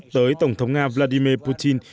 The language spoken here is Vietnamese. tới tổng thống nga vladimir putin